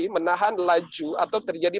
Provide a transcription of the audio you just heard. menahan laju atau terjadi